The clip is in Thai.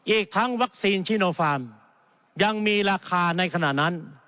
อีกทั้งวัคซีนชิโนฟาร์มยังมีราคาในขณะนั้น